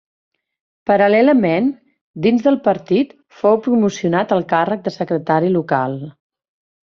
Paral·lelament, dins del partit fou promocionat al càrrec de secretari local.